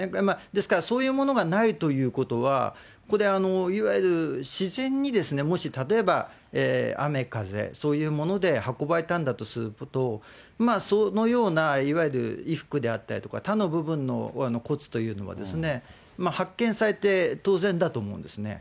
ですから、そういうものがないということは、これ、いわゆる自然に、もし例えば、雨風、そういうもので運ばれたんだとすると、そのようないわゆる衣服であったりとか、他の部分の骨というのは発見されて当然だと思うんですね。